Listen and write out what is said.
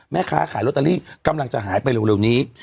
แม่ค้าขายลอตเตอรี่กำลังจะหายไปเร็วนี้